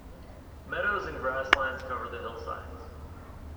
Meadows and grasslands cover the hillsides.